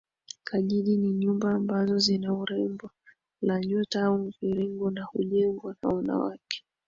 kajiji ni nyumba ambazo zina umbo la nyota au mviringo na hujengwa na wanawake